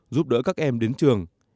giúp đỡ các em đến trường